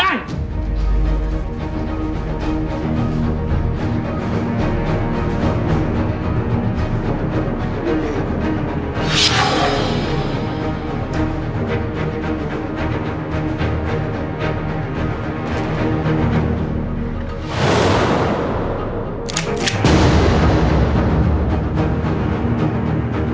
อย่าหยุด